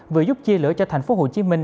và giúp chia lửa cho thành phố hồ chí minh